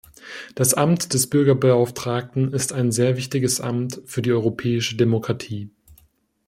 Das Amt des Bürgerbeauftragten ist ein sehr wichtiges Amt für die europäische Demokratie.